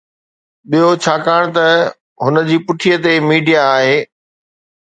ٻيو، ڇاڪاڻ ته هن جي پٺي تي ميڊيا آهي.